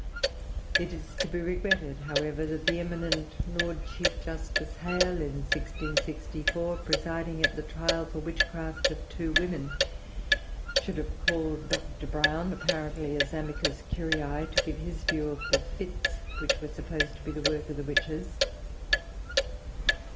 It is to be regretted, however, that the eminent Lord Chief Justice Hale in 1664, presiding at the trial for witchcraft of two women, should have called Dr. Browne, apparently as amicus curiæ, to give his view of the fits which were supposed to be the work of the witches.